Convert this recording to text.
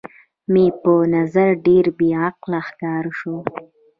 مې په نظر ډېره بې عقله ښکاره شول.